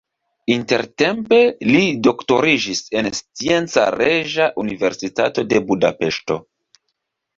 Intertempe li doktoriĝis en Scienca Reĝa Universitato de Budapeŝto.